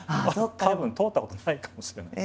たぶん通ったことないかもしれない。